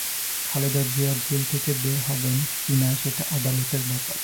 Khaleda Zia jail থেকে বের হবেন কি না, সেটা আদালতের ব্যাপার।